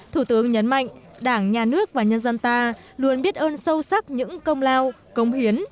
thủ tướng nhấn mạnh đảng nhà nước và nhân dân ta luôn biết ơn sâu sắc những công lao công hiến